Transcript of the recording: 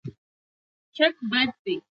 شک بد دی.